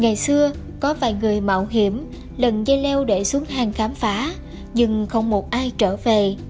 ngày xưa có vài người mạo hiểm lần dây leo để xuống hang khám phá nhưng không một ai trở về